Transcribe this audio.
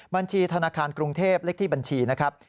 บัญชีธนาคารกรุงเทพเลขที่บัญชี๙๐๑๓๕๐๐๓๔๔